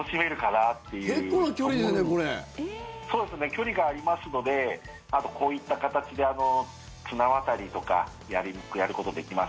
距離がありますのであと、こういった形で綱渡りとか、やることできます。